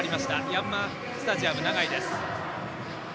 ヤンマースタジアム長居です。